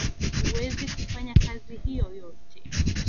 Huwezi kufanya kazi hiyo yote